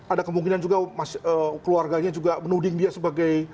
ada kemungkinan juga keluarganya juga menuding dia sebagai